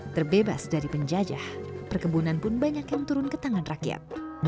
terbebas dari penjajah perkebunan pun banyak yang turun ke tangan rakyat